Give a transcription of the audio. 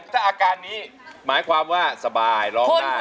ถ้าอาการนี้หมายความว่าสบายร้องได้